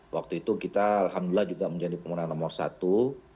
waktu itu kita alhamdulillah juga menjadi pemenang nomor satu